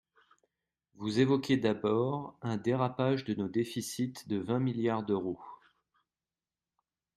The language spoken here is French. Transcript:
Vous évoquez, d’abord, un dérapage de nos déficits de vingt milliards d’euros.